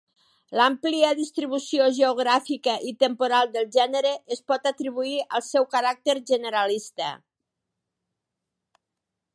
L'àmplia distribució geogràfica i temporal del gènere es pot atribuir al seu caràcter generalista.